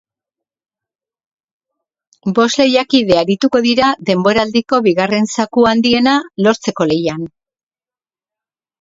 Bost lehiakide arituko dira denboraldiko bigarren zaku handiena lortzeko lehian.